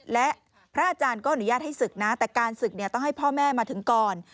และพระอาจารย์ก็อนุญาตให้ศึกนะแต่การศึกต้องให้พ่อแม่มาถึงก่อน